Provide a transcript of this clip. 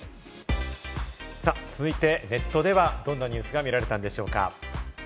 続いてネットでは、どんなニュースが見られたんでしょうか？